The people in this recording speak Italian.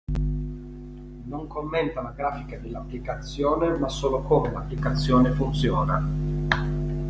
Non commenta la grafica dell'applicazione ma solo come l'applicazione funziona.